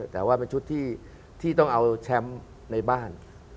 แต่ว่าเป็นชุดที่ต้องเอาแชมป์ในบ้าน